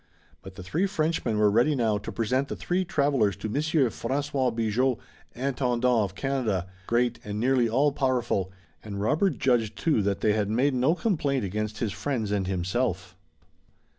But the three Frenchmen were ready now to present the three travelers to Monsieur François Bigot, Intendant of Canada, great and nearly all powerful, and Robert judged too that they had made no complaint against his friends and himself.